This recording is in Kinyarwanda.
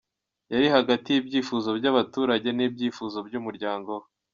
Yari hagati y’ibyifuzo by’abaturage n’ibyifuzo by’umuryango we.